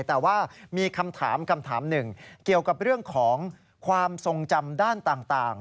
แต่ว่ามีคำถามคำถามหนึ่งเกี่ยวกับเรื่องของความทรงจำด้านต่าง